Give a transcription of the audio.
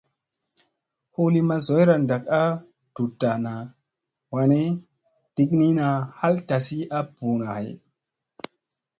Huu lima zoyra ɗak a ɗuɗta na wanni, ɗiknina haal tasi a ɓuuna hay.